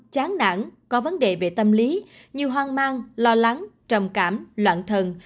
chán nản có vấn đề về tâm lý như hoang mang lo lắng trầm cảm loạn thần